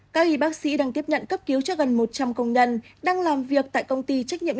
các y bác sĩ đang tiếp nhận cấp cứu cho gần một trăm linh công nhân đang làm việc tại công ty trách nhiệm